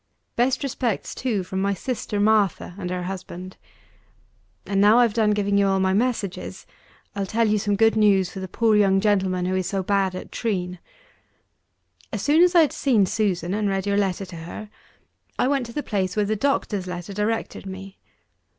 Best respects, too, from my sister Martha, and her husband. And now I've done giving you all my messages, I'll tell you some good news for the poor young gentleman who is so bad at Treen. As soon as I had seen Susan, and read your letter to her, I went to the place where the doctor's letter directed me.